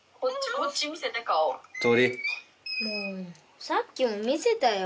うんさっきも見せたよ